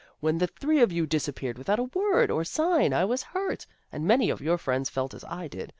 " When the three of you disappeared without a word or sign, I was hurt, and many of your friends felt as I did.